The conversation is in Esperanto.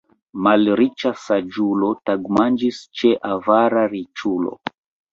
Malriĉa saĝulo tagmanĝis ĉe avara riĉulo.